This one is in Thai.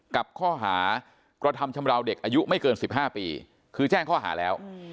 กับข้อหากระทำชำราวเด็กอายุไม่เกิน๑๕ปีคือแจ้งข้อหาแล้ว